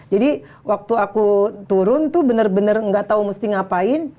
jadi waktu aku turun tuh bener bener gak tau mesti ngapain